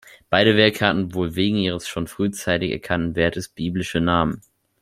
Beide Werke hatten wohl wegen ihres schon frühzeitig erkannten Wertes biblische Namen.